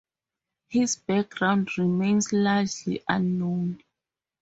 His background remains largely unknown.